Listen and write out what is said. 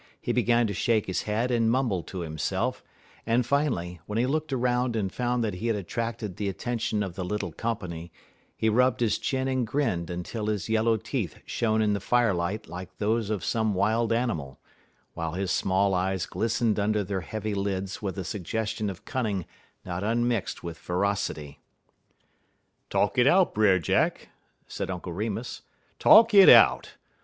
He began to shake his head and mumble to himself; and, finally, when he looked around and found that he had attracted the attention of the little company, he rubbed his chin and grinned until his yellow teeth shone in the firelight like those of some wild animal, while his small eyes glistened under their heavy lids with a suggestion of cunning not unmixed with ferocity. "Talk it out, Brer Jack," said Uncle Remus; "talk it out.